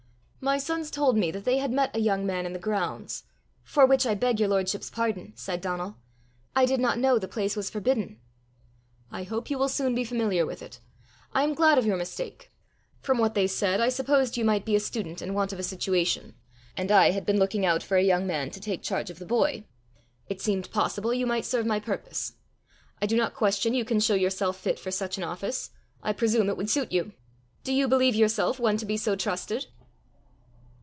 "My sons told me that they had met a young man in the grounds " "For which I beg your lordship's pardon," said Donal. "I did not know the place was forbidden." "I hope you will soon be familiar with it. I am glad of your mistake. From what they said, I supposed you might be a student in want of a situation, and I had been looking out for a young man to take charge of the boy: it seemed possible you might serve my purpose. I do not question you can show yourself fit for such an office: I presume it would suit you. Do you believe yourself one to be so trusted?"